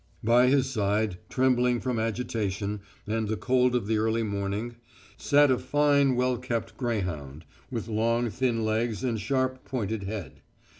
By his side, trembling from agitation and the cold of the early morning, sat a fine well kept greyhound, with long thin legs and sharp pointed head.